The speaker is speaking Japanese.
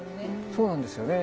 そうなんですよね。